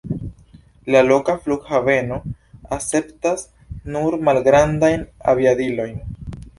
La loka flughaveno akceptas nur malgrandajn aviadilojn.